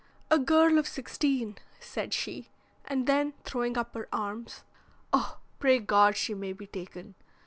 'A girl of sixteen,' said she, and then throwing up her arms, 'Oh, pray God she may be taken!'